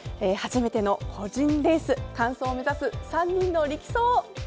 初めての個人レース完走を目指す３人の力走！